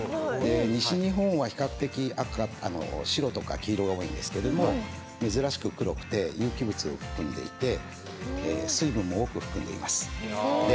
西日本は比較的白とか黄色が多いんですが珍しく黒くて有機物を含んでいて水分も多く含んでいます。